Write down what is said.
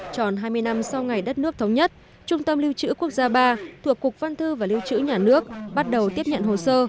tròn hai mươi năm sau ngày đất nước thống nhất trung tâm lưu trữ quốc gia ba thuộc cục văn thư và lưu trữ nhà nước bắt đầu tiếp nhận hồ sơ